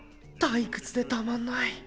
退屈でたまんない！